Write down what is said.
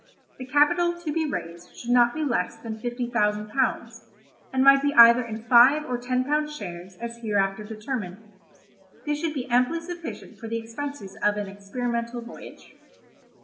The capital to be raised should not be less than fifty thousand pounds, and might be either in five or ten pound shares as hereafter determined. This should be amply sufficient for the expenses of an experimental voyage.